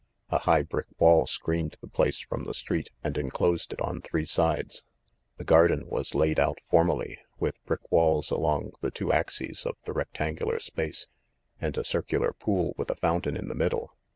A high brick wall screened the place from the street and enclosed it on three sides. The garden was laid out formally, with brick walks along the two axes of the rectangular space, and a circular pool with a foun tain in the middle.